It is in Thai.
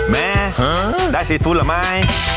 แม่ได้ซีฟุตหรือไม่